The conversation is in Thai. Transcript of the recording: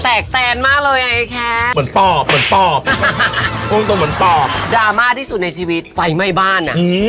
แปลกแปลนมาเลยเฮ้ยแค๊ลเหมือนเปล่าเหมือนเปล่าดรามาที่สุดในชีวิตไฟไม่บ้านอ่ะ